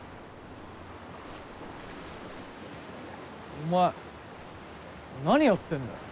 お前何やってんだよ。